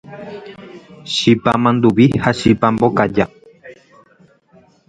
Chipa manduvi ha chipa mbokaja